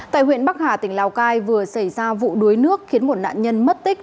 tại huyện bắc hà tỉnh lào cai vừa xảy ra vụ đuối nước khiến một nạn nhân mất tích